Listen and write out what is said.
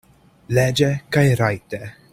Leĝe kaj rajte.